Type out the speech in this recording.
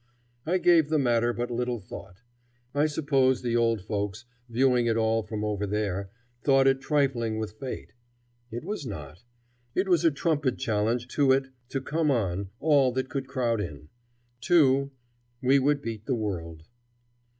I gave the matter but little thought. I suppose the old folks, viewing it all from over there, thought it trifling with fate. It was not. It was a trumpet challenge to it to come on, all that could crowd in. Two, we would beat the world.